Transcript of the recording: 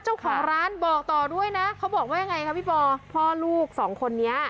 เจ้าของร้านบอกต่อด้วยนะเขาบอกว่ายังไงคะพี่ปอพ่อลูกสองคนนี้